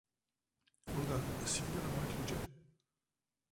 Olga, si videla moje ključe?